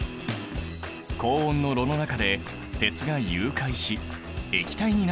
高温の炉の中で鉄が融解し液体になっている。